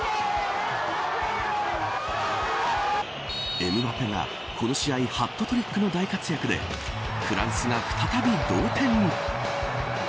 エムバペがこの試合ハットトリックの大活躍でフランスが再び同点に。